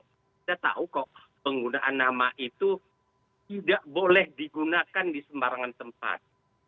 kita tahu kok penggunaan nama itu tidak boleh digunakan di sembarangan tempat